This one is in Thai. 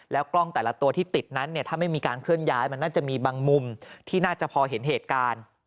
กล้องแต่ละตัวที่ติดนั้นเนี่ยถ้าไม่มีการเคลื่อนย้ายมันน่าจะมีบางมุมที่น่าจะพอเห็นเหตุการณ์